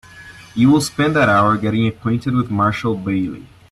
You will spend that hour getting acquainted with Marshall Bailey.